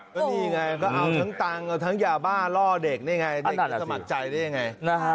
ก็นี่ไงก็เอาทั้งตังค์เอาทั้งยาบ้าล่อเด็กนี่ไงเด็กจะสมัครใจได้ยังไง